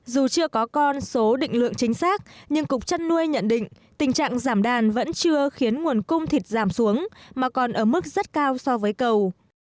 dù chưa có con số định lượng chính xác nhưng cục chăn nuôi nhận định tình trạng giảm đàn vẫn chưa khiến nguồn cung thịt giảm xuống mà còn ở mức rất cao so với cầu